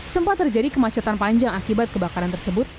sempat terjadi kemacetan panjang akibat kebakaran tersebut